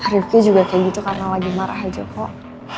rifki juga kayak gitu karena lagi marah aja kok